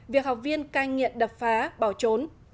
việc học viên cai nghiện đập phá bỏ trốn